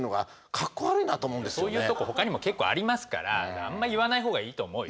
そういうとこほかにも結構ありますからあんま言わない方がいいと思うよ。